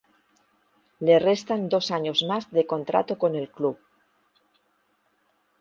Le restan dos años más de contrato con el club.